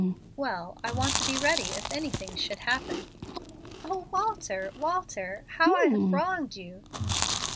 "Well, I want to be ready if anything should happen." "O Walter, Walter! how I have wronged you!"